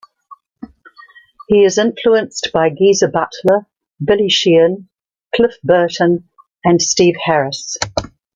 He is influenced by Geezer Butler, Billy Sheehan, Cliff Burton, and Steve Harris.